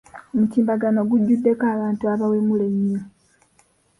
Omutimbagano gujjuddeko abantu abawemula ennyo.